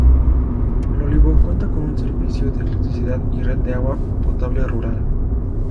El Olivo cuenta con servicio de electricidad y red de agua potable rural.